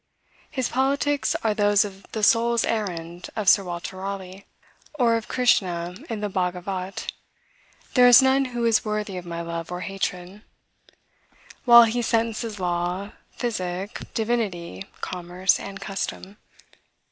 His politics are those of the "Soul's Errand" of Sir Walter Raleigh; or of Krishna, in the Bhagavat, "There is none who is worthy of my love or hatred;" while he sentences law, physic, divinity, commerce, and custom.